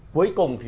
cuối cùng thì